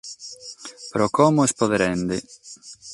Pro como est poderende.